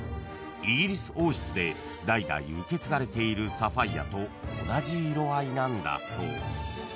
［イギリス王室で代々受け継がれているサファイアと同じ色合いなんだそう］